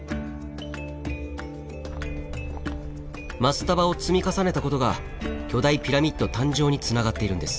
マスタバを積み重ねたことが巨大ピラミッド誕生につながっているんです。